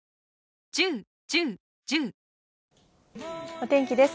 お天気です。